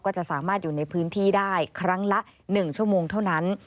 จะสามารถอยู่ในพื้นที่ได้ครั้งละ๑ชั่วโมงเท่านั้น